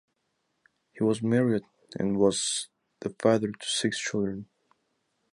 He was married and was the father to six children.